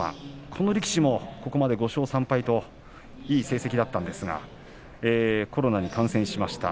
この力士も、ここまで５勝３敗といい成績だったんですがコロナに感染しました。